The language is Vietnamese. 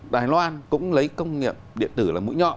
đài loan cũng lấy công nghiệp điện tử là mũi nhọn